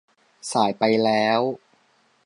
สายไปแล้ว